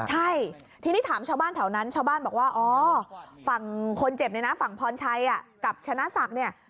ใช่ทีนี้ถามชาวบ้านแถวนั้นชาวบ้านบอกว่าอ๋อฝั่งคนเจ็บเนี่ยนะฝั่งพรชัยกับชนะศักดิ์เนี่ย